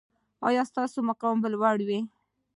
ایا ستاسو مقام به لوړ وي؟